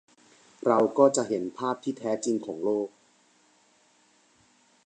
เราก็จะเห็นภาพที่แท้จริงของโลก